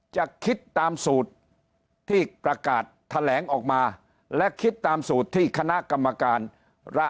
จะคิดตามสูตรที่ประกาศแถลงออกมาและคิดตามสูตรที่คณะกรรมการระ